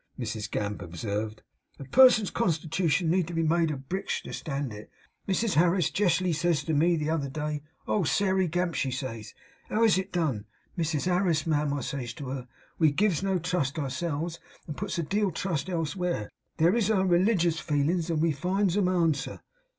Mrs Gamp observed. 'A person's constitooshun need be made of bricks to stand it. Mrs Harris jestly says to me, but t'other day, "Oh! Sairey Gamp," she says, "how is it done?" "Mrs Harris, ma'am," I says to her, "we gives no trust ourselves, and puts a deal o'trust elsevere; these is our religious feelins, and we finds 'em answer."